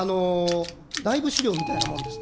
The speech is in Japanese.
内部資料みたいなものです。